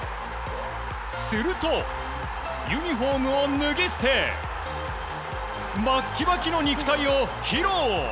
すると、ユニホームを脱ぎ捨てバッキバキの肉体を披露。